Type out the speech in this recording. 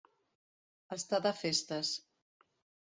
Estar de festes.